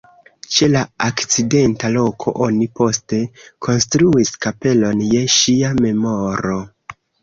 Ĉe la akcidenta loko oni poste konstruis kapelon je ŝia memoro.